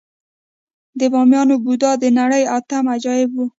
د بامیانو بودا د نړۍ اتم عجایب و